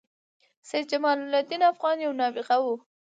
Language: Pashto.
سيدجمال الدين افغان یو نابغه وه